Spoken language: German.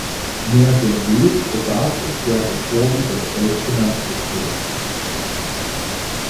Mehr denn je bedarf es der Reform des Weltfinanzsystems.